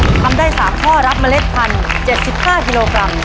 ทำได้๓ข้อรับเล็ดพันธุ์๗๕กิโลกรัม